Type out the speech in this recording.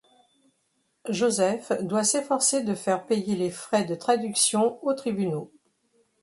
Joseph doit s'efforcer de faire payer les frais de traduction aux tribunaux.